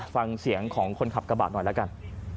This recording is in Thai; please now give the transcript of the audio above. ฟังเสียงของคนขับกระบะหน่อยแล้วกัน